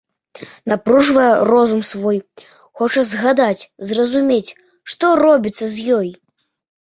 Напружвае розум свой, хоча згадаць, зразумець, што робіцца з ёй.